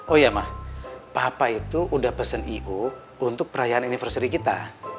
oh iya ma papa itu udah pesen i o untuk perayaan anniversary kita